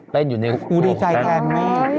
แก้มดีใจแค่นั้น